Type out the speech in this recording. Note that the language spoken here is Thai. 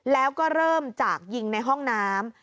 แล้วก็เริ่มจากยิงในห้องน้ำ